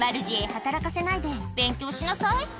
働かせないで勉強しなさい